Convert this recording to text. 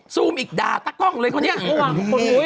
ซูมอีกด่าตั๊กกล้องเลยพอไง